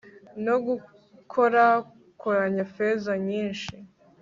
no gukorakoranya feza nyinshi